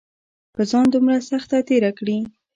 پۀ ځان دومره سخته تېره کړې